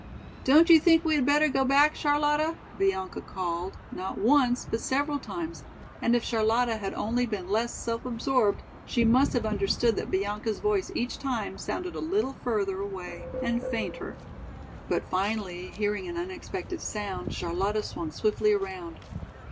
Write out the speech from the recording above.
"Don't you think we had better go back, Charlotta?" Bianca called, not once, but several times, and if Charlotta had only been less self absorbed she must have understood that Bianca's voice each time sounded a little further away and fainter. But finally, hearing an unexpected sound, Charlotta swung swiftly around.